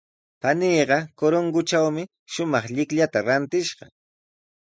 Paniiqa Corongotrawmi shumaq llikllata rantishqa.